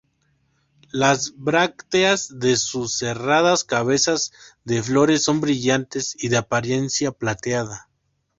Las brácteas de sus cerradas cabezas de flores son brillantes y de apariencia plateada.